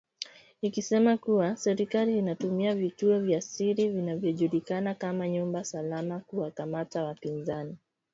Ikisema kuwa serikali inatumia vituo vya siri vinavyojulikana kama nyumba salama kuwakamata wapinzani na kuwatesa mateka